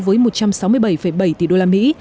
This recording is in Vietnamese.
với một trăm sáu mươi bảy bảy tỷ đô la mỹ